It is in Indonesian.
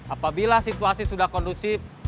apabila situasi sudah kondusif